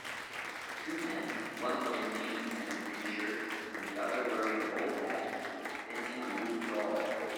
Two men one wearing jeans and a green shirt and the other wearing all black dancing on a wood floor